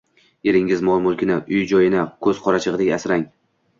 Eringiz mol-mulkini, uy-joyini ko‘z qorachig‘idek asrang.